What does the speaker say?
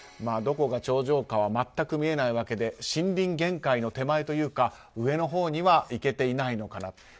どこが頂上かは全く見えないわけで森林限界の手前というか上のほうには行けていないのかなと。